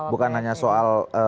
bukan hanya soal